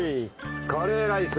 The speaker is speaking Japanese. カレーライス。